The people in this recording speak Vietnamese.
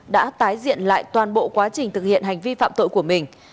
đã tái diện lại toàn bộ quá trình thực hiện hành vi phạm tội của mình